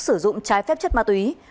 sử dụng trái phép chất ma túy